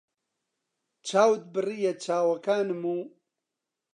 چاوت بڕیە چاوەکانم و